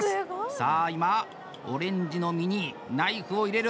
さあ今、オレンジの実にナイフを入れる。